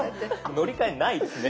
乗り換えないですね。